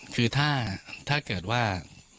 คือถ้าเกิดว่า